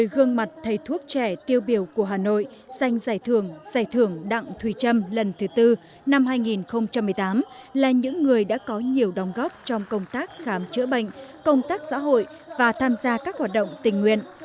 một mươi gương mặt thầy thuốc trẻ tiêu biểu của hà nội xanh giải thưởng giải thưởng đặng thùy trâm lần thứ tư năm hai nghìn một mươi tám là những người đã có nhiều đóng góp trong công tác khám chữa bệnh công tác xã hội và tham gia các hoạt động tình nguyện